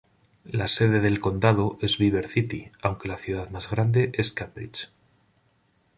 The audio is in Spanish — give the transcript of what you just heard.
La sede del condado es Beaver City, aunque la ciudad más grande es Cambridge.